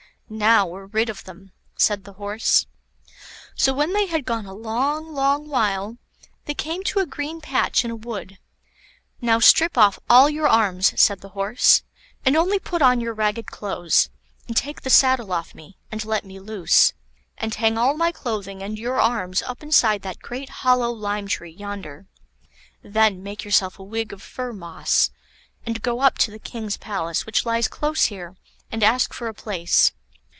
"Now we're rid of them," said the Horse. So when they had gone a long, long while, they came to a green patch in a wood. "Now, strip off all your arms," said the Horse, "and only put on your ragged clothes, and take the saddle off me, and let me loose, and hang all my clothing and your arms up inside that great hollow lime tree yonder. Then make yourself a wig of fir moss, and go up to the king's palace, which lies close here, and ask for a place.